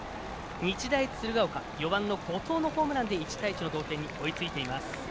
日大鶴ヶ丘４番の後藤のホームランで１対１の同点に追いついています。